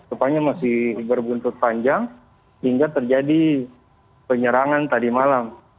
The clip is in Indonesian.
rupanya masih berbuntut panjang hingga terjadi penyerangan tadi malam